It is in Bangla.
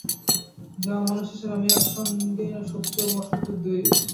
যেমন মানুষ হিসাবে আমি একসঙ্গে সত্য এবং অসত্য দুই-ই।